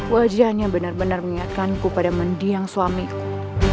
wajahnya benar benar mengingatkanku pada mendiang suamiku